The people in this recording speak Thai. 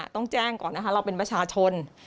ต้องแจ้งก่อนนะคะเราเป็นประชาชน